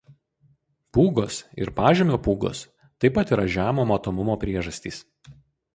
Pūgos ir pažemio pūgos taip pat yra žemo matomumo priežastys.